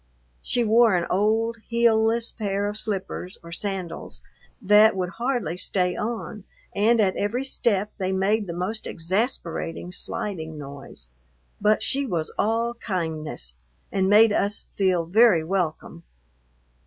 She wore an old heelless pair of slippers or sandals that would hardly stay on, and at every step they made the most exasperating sliding noise, but she was all kindness and made us feel very welcome.